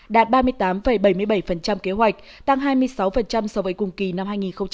đạt ba mươi tám bảy mươi bảy kế hoạch tăng hai mươi sáu so với cùng kỳ năm hai nghìn một mươi chín